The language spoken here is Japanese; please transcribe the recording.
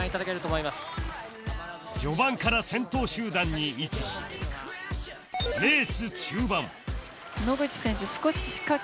序盤から先頭集団に位置しレース中盤